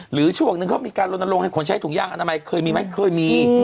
หรือช่วงนึงก็มีการลนโรงให้คนใช้ถุงยางอาณาไม็ควรมีไหม